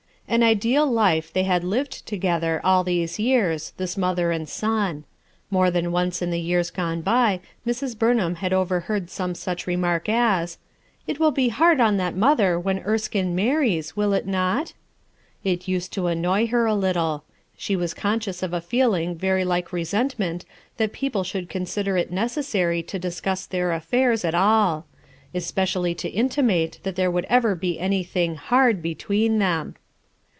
An ideal life they had lived together all these years, this mother and son. More than once in the years gone by Mrs. Burnham had overheard some such remark as: "It will be hard on that mother when Erskinc marries, will it not?" It used to annoy her a little. She was conscious of a feeling very like resentment that people should consider it necessary to discuss their affairs at all; especially to intimate that there would ever bo anything "hard" between them.